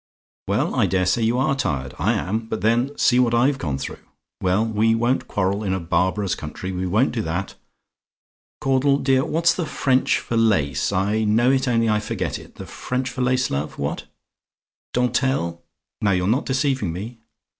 "Well, I dare say you are tired. I am! But then, see what I've gone through. Well, we won't quarrel in a barbarous country. We won't do that. Caudle, dear, what's the French for lace? I know it, only I forget it. The French for lace, love? What? "DENTELLE? "Now, you're not deceiving me?